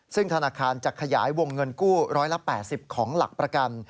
ซึ่งธนาคารจะขยายวงเงินกู้๑๘๐ของหลักประกัน